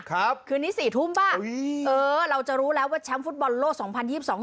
คืนนี้สี่ทุ่มป่ะอืมเออเราจะรู้แล้วว่าแชมป์ฟุตบอลโลกสองพันยี่สิบสอง